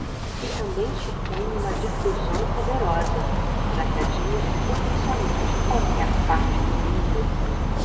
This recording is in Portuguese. E também supõe uma difusão poderosa, já que atinge potencialmente qualquer parte do mundo.